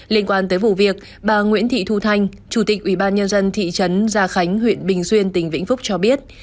liên quan tới vụ việc bà nguyễn thị thu thanh chủ tịch ủy ban nhân dân thị trấn gia khánh huyện bình xuyên tỉnh vĩnh phúc cho biết